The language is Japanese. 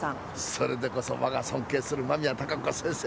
それでこそ我が尊敬する間宮貴子先生。